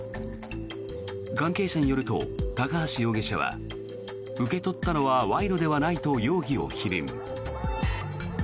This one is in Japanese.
関係者によると高橋容疑者は受け取ったのは賄賂ではないと容疑を否認。